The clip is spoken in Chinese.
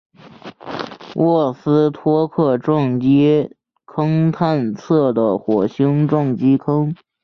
沃斯托克撞击坑探测的火星撞击坑。